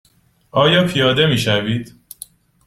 آیا پیاده می شوید؟